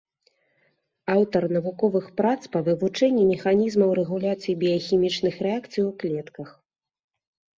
Аўтар навуковых прац па вывучэнні механізмаў рэгуляцыі біяхімічных рэакцый у клетках.